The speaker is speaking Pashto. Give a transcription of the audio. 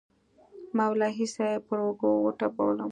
مولوي صاحب پر اوږه وټپولوم.